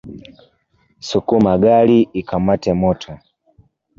Sukuma gari ikamate moto.